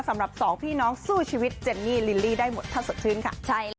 สำหรับสองพี่น้องสู้ชีวิตเจนนี่ลิลลี่ได้หมดถ้าสดชื่นค่ะ